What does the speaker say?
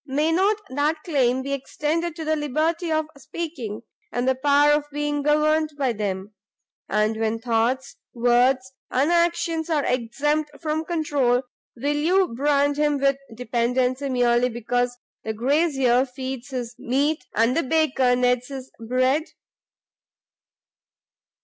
may not that claim be extended to the liberty of speaking, and the power of being governed by them? and when thoughts, words, and actions are exempt from controul, will you brand him with dependency merely because the Grazier feeds his meat, and the Baker kneads his bread?"